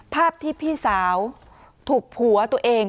ภาพที่พี่สาวถูกผัวตัวเอง